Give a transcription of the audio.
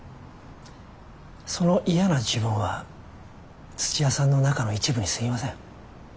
その嫌な自分は土屋さんの中の一部にすぎません。